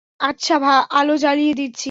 আচ্ছা, আলো জ্বালিয়ে দিচ্ছি।